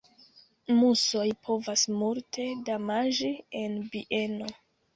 Musoj povas multe damaĝi en bieno.